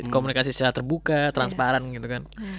komunikasi secara terbuka transparan gitu kan